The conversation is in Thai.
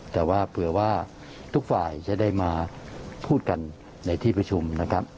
แต่ว่าเผื่อว่าทุกฝ่ายจะได้มาพูดกันในที่ประชุมนะครับ